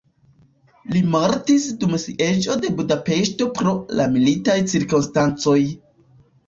Li mortis dum sieĝo de Budapeŝto pro la militaj cirkonstancoj.